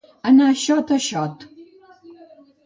Anar xot a xot.